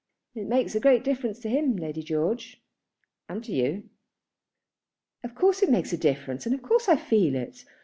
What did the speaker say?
"It makes a great difference to him, Lady George; and to you." "Of course it makes a difference, and of course I feel it.